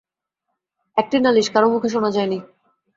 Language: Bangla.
একটি নালিশ কারো মুখে শোনা যায় নি।